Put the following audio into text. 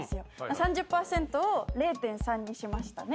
３０％を０．３にしましたね。